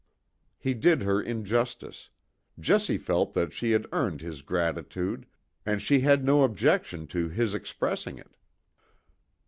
He did her injustice; Jessie felt that she had earned his gratitude, and she had no objection to his expressing it.